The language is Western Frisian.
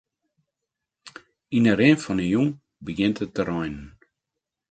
Yn 'e rin fan 'e jûn begjint it te reinen.